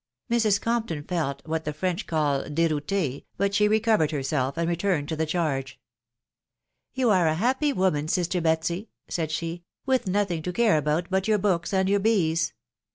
Mrs. Compton felt what the French call deroutte, but she recovered herself, and returned to the charge. " You are a happy woman, sister Betsy," said she, " with nothing to care about but your books and your bees !